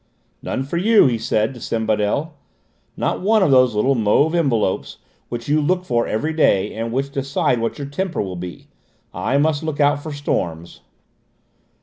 "None for you," he said to Sembadel. "Not one of those little mauve envelopes which you look for every day and which decide what your temper will be. I must look out for storms."